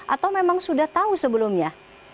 atau memang sudah tahu sebelumnya